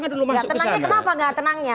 tenangnya kenapa gak tenangnya